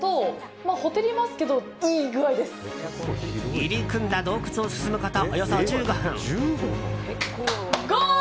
入り組んだ洞窟を進むことおよそ１５分。